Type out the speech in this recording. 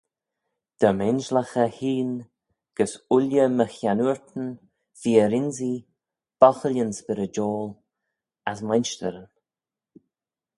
Dy m'injillaghey hene gys ooilley my chiannoortyn, fir-ynsee, bochillyn spyrrydoil, as mainshtyryn.